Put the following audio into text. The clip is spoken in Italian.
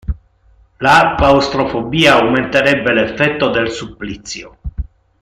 La claustrofobia aumenterebbe l'effetto del supplizio.